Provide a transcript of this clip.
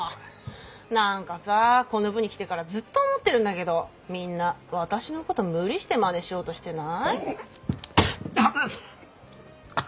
何かさこの部に来てからずっと思ってるんだけどみんな私のこと無理してまねしようとしてない？あっ。